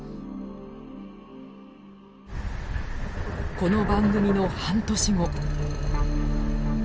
この番組の半年後。